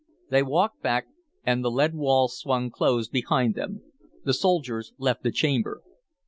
They walked back and the lead wall swung closed behind them. The soldiers left the chamber.